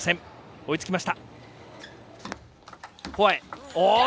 追いつきました。